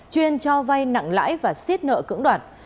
chuyên cho vay nặng lãi và xiết nợ cưỡng đoạt